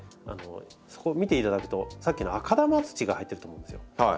そこ見ていただくとさっきの赤玉土が入ってると思うんですよ。